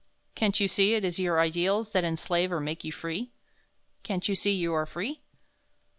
Can't you see it is your ideals that enslave or make you free? Can't you see you are free?"